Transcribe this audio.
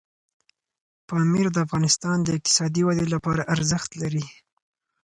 پامیر د افغانستان د اقتصادي ودې لپاره ارزښت لري.